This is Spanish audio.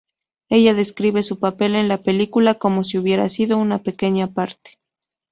Ella describe su papel en la película como si hubiera sido una "pequeña parte".